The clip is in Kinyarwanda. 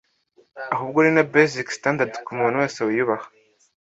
ahubwo ni na basic standard ku muntu wese wiyubaha;